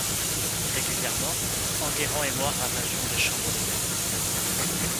Régulièrement, Enguerrand et moi ravagions des chambres d’hôtel.